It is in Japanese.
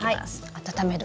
温める。